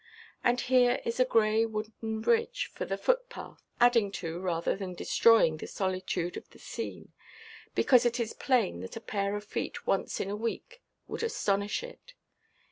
And here is a grey wooden bridge for the footpath, adding to rather than destroying the solitude of the scene, because it is plain that a pair of feet once in a week would astonish it.